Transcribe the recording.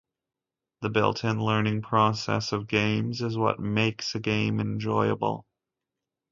The built-in learning process of games is what makes a game enjoyable.